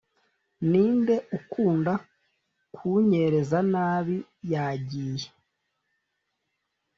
ninde ukunda kunyereza nabi yagiye